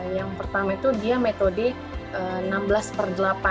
yang pertama itu dia metode enam belas per delapan